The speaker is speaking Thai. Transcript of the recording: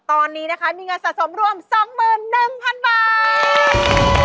ตอนนี้นะคะมีเงินสะสมรวม๒๑๐๐๐บาท